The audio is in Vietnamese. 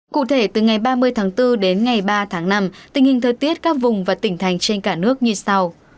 cụ thể từ ngày ba mươi tháng bốn đến ngày ba tháng năm tình hình thời tiết các vùng và tỉnh thành trên cả nước như sau